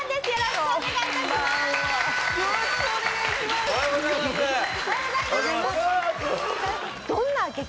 どんな激